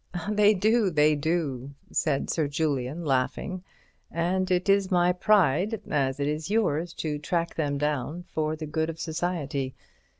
"They do, they do," said Sir Julian, laughing, "and it is my pride, as it is yours, to track them down for the good of society.